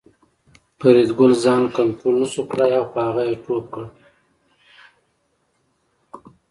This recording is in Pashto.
فریدګل ځان کنترول نشو کړای او په هغه یې ټوپ کړ